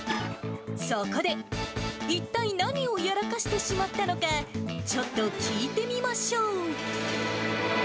そこで、一体何をやらかしてしまったのか、ちょっと聞いてみましょう。